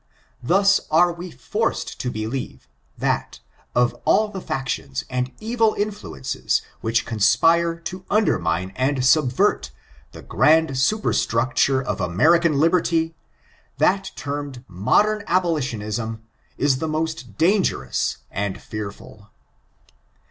Thus aro we forced to believe, that, of all the factions and evil I I FORTUNES, OF THE NEGUO RACE. 421 influences which conspire to undermine and subvert the grand superstructure of American Liberty, that termed Modem Abolitionism is the most dangerous and fearful.